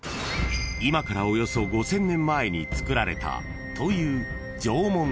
［今からおよそ５，０００年前に作られたという縄文土器］